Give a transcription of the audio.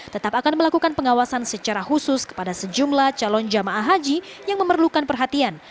tetap akan melakukan pengawasan secara khusus kepada sejumlah calon jamaah haji yang memerlukan perhatian